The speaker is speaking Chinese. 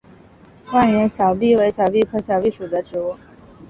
万源小檗为小檗科小檗属的植物。